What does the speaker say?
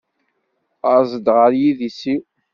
Aẓ-d ɣer yidis-iw.